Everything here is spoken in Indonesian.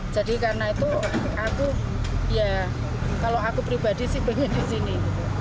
jadi karena itu aku ya kalau aku pribadi sih pengen di sini